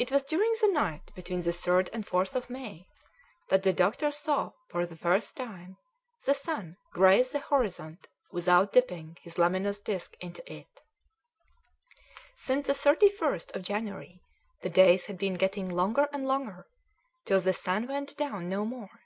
It was during the night between the 3rd and 4th of May that the doctor saw for the first time the sun graze the horizon without dipping his luminous disc into it. Since the 31st of January the days had been getting longer and longer till the sun went down no more.